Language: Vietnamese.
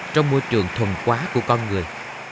trong môi trường thuần quá của con người